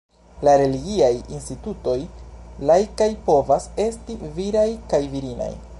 La religiaj institutoj laikaj povas esti viraj kaj virinaj.